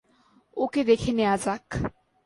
ওকে দেখে নেয়া যাক।